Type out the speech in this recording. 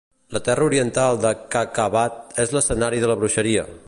La terra oriental de Kakhabad és l'escenari de la bruixeria!